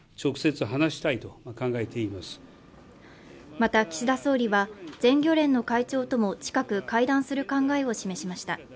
また岸田総理は、全漁連の会長とも近く会談する考えを示しました。